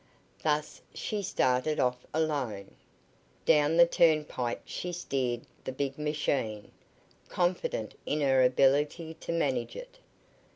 Thus she started off alone. Down the turnpike she steered the big machine, confident in her ability to manage it.